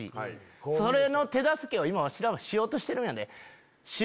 それの手助けを今わしらはしようとしてるんやで。